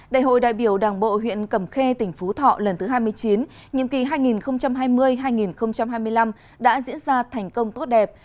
đại hội đại biểu đảng bộ huyện cầm khê tỉnh phú thọ lần thứ hai mươi chín nhiệm kỳ hai nghìn hai mươi hai nghìn hai mươi năm đã diễn ra thành công tốt đẹp